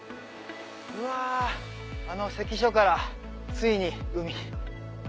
うわあの関所からついに海。